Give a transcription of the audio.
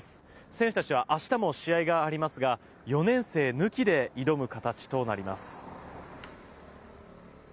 選手たちは明日も試合がありますが４年生抜きで挑む形となります。